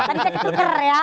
tapi tidak tukar ya